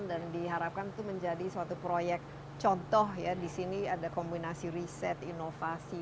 dan diharapkan itu menjadi suatu proyek contoh ya di sini ada kombinasi riset inovasi